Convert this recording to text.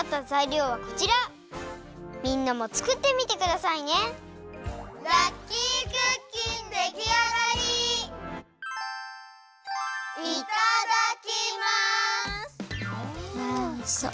うわおいしそう。